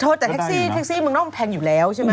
โทษแต่แท็กซี่มึงต้องแพงอยู่แล้วใช่ไหม